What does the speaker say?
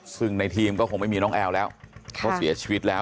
ซึ่งในทีมก็คงไม่มีน้องแอลแล้วเขาเสียชีวิตแล้ว